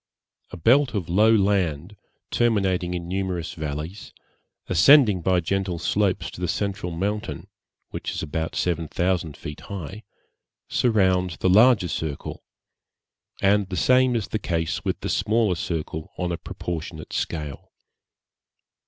A belt of low land, terminating in numerous valleys, ascending by gentle slopes to the central mountain, which is about seven thousand feet high, surrounds the larger circle, and the same is the case with the smaller circle on a proportionate scale.